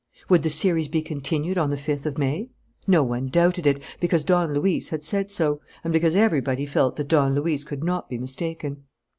Would the series be continued on the fifth of May? No one doubted it, because Don Luis had said so and because everybody felt that Don Luis could not be mistaken.